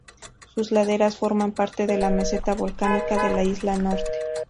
Sus laderas forman parte de la meseta volcánica de la isla Norte.